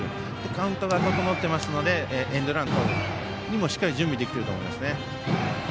カウントが整っていますのでエンドランの準備できていると思います。